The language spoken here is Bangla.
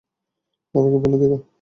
বাবাকে বলে দেখ।